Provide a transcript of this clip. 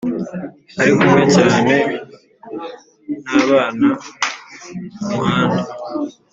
arikumwe cyane nabana kumuhanda.